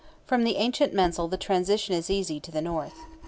From the ancient mensal the transition is easy to the north.